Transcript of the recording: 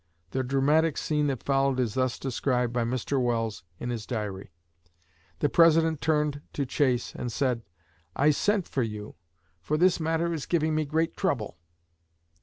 The dramatic scene that followed is thus described by Mr. Welles in his Diary: "The President turned to Chase and said, 'I sent for you, for this matter is giving me great trouble.'